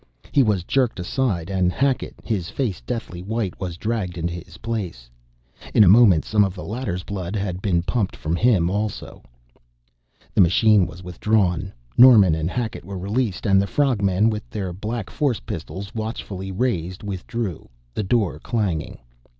He was jerked aside and Hackett, his face deathly white, was dragged into his place. In a moment some of the latter's blood had been pumped from him also. The machine was withdrawn, Norman and Hackett were released, and the frog men, with their black force pistols watchfully raised, withdrew, the door clanging.